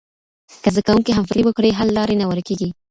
که زده کوونکي همفکري وکړي، حل لارې نه ورکېږي.